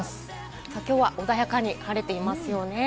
今日は穏やかに晴れていますよね。